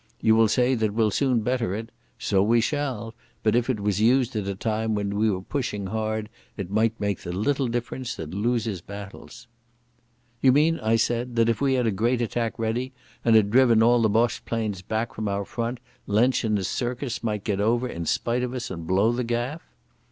You will say that we'll soon better it. So we shall, but if it was used at a time when we were pushing hard it might make the little difference that loses battles." "You mean," I said, "that if we had a great attack ready and had driven all the Boche planes back from our front, Lensch and his circus might get over in spite of us and blow the gaff?"